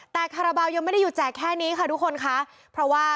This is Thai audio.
แต่คาราบาลยังไม่ได้หยุดแจกแค่นี้ค่ะทุกคนค่ะเพราะว่า